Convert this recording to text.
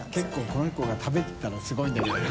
觜この子が食べてたらすごいんだけどね。